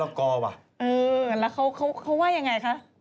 แล้วเขาไหว้อย่างไรคะ